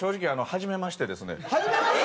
はじめましてなん！？